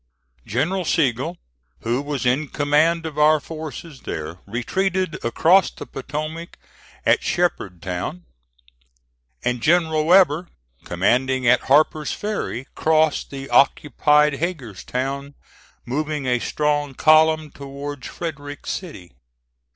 General Sigel, who was in command of our forces there, retreated across the Potomac at Shepherdtown; and General Weber, commanding at Harper's Ferry, crossed the occupied Hagerstown, moving a strong column towards Frederick City.